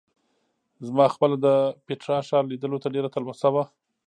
زما خپله د پېټرا ښار لیدلو ته ډېره تلوسه وه.